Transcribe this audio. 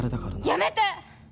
やめて！